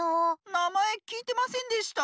なまえきいてませんでした。